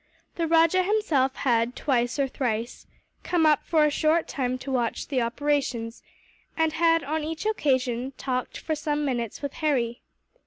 The rajah himself had, twice or thrice, come up for a short time to watch the operations; and had, on each occasion, talked for some minutes with Harry.